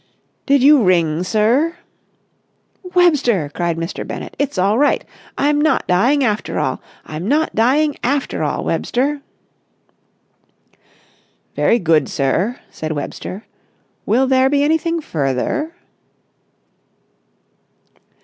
"Did you ring, sir?" "Webster," cried Mr. Bennett, "it's all right! I'm not dying after all! I'm not dying after all, Webster!" "Very good, sir," said Webster. "Will there be anything further?"